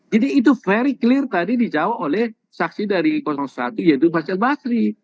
jadi itu very clear tadi dijawab oleh saksi dari satu yaitu faisal basri